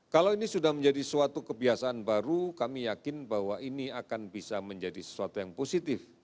kalau ini sudah menjadi suatu kebiasaan baru kami yakin bahwa ini akan bisa menjadi sesuatu yang positif